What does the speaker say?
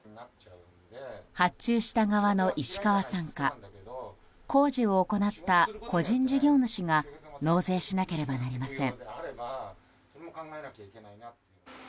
発注した側の石川さんか工事を行った個人事業主が納税しなければなりません。